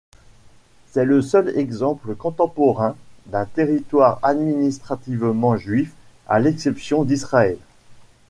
C'est le seul exemple contemporain d'un territoire administrativement juif, à l'exception d'Israël.